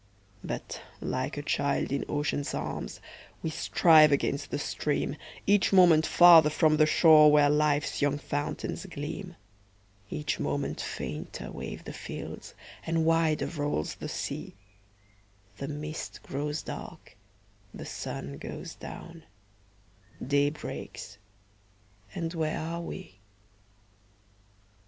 But, like a child in ocean's arms, We strive against the stream, Each moment farther from the shore Where life's young fountains gleam; Each moment fainter wave the fields, And wider rolls the sea; The mist grows dark, the sun goes down, Day breaks, and where are we?